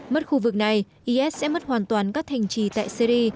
mất khu vực này is sẽ mất hoàn toàn các thành trì tại syri